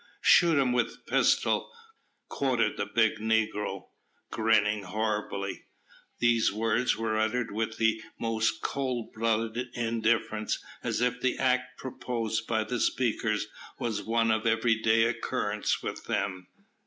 "Shoot him with pistol," quoth the big negro, grinning horribly. These words were uttered with the most cold blooded indifference, as if the act proposed by the speakers was one of everyday occurrence with them.